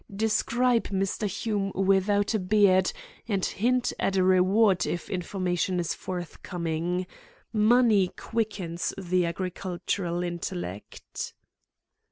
Describe Mr. Hume without a beard, and hint at a reward if information is forthcoming. Money quickens the agricultural intellect."